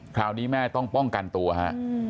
คราวนี้แม่ต้องป้องกันตัวฮะ